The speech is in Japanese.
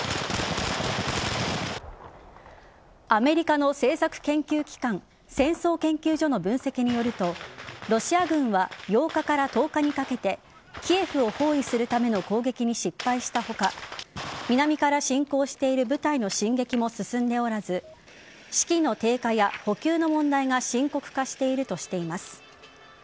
アメリカの政策研究機関戦争研究所の分析によるとロシア軍は８日から１０日にかけてキエフを包囲するための攻撃に失敗した他南から侵攻している部隊の進撃も進んでおらず士気の低下や補給の問題が深刻化しているとしています。